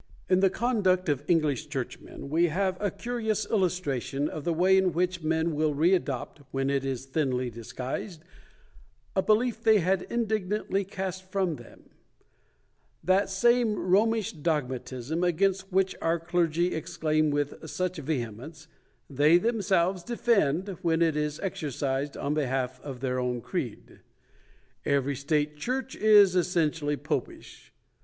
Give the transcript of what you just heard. §2 In the conduct of English churchmen we have a curious illustration of the way in which men will re adopt, when it is x Digitized by VjOOQIC 306 RELIGIOUS ESTABLISHMENTS. thinly disguised, a belief they had indignantly cast from them. That same Bomish dogmatism, against which our clergy ex claim with such vehemence, they themselves defend when it is exercised on behalf of their own creed. Every state church is essentially popish.